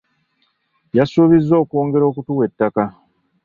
Yasuubizza okwongera okutuwa ettaka.